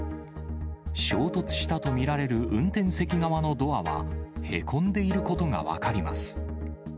衝突したと見られる運転席側のドアは、へこんでいることが分かります。